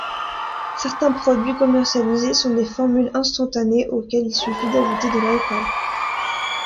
Certains produits commercialisés sont des formules instantanées auxquelles il suffit d’ajouter de l’alcool.